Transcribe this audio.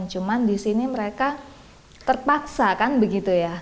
cuma di sini mereka terpaksa kan begitu ya